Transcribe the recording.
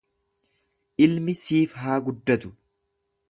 Ilmi siif haa guddatu.